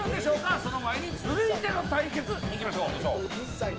その前に続いての対決、いきましょう。